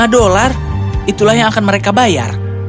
lima dolar itulah yang akan mereka bayar